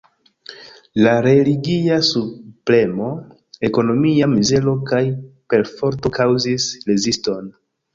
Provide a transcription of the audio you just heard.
La religia subpremo, ekonomia mizero kaj perforto kaŭzis reziston.